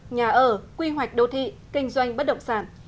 nhà ở quy hoạch đô thị kinh doanh bất động sản